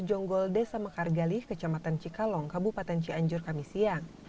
jonggol desa mekargalih kecamatan cikalong kabupaten cianjur kami siang